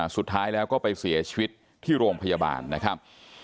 สุดท้ายแล้วก็ไปเสียชีวิตที่โรงพยาบาลนะครับ